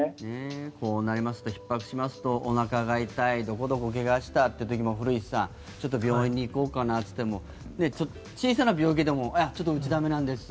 こうなってひっ迫しますとおなかが痛いどこどこを怪我したという時も古市さん病院に行こうかなっていっても小さな病気でもちょっとうちは駄目なんです